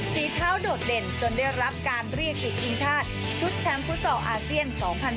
ฝีเท้าโดดเด่นจนได้รับการเรียกติดทีมชาติชุดแชมป์ฟุตซอลอาเซียน๒๐๑๖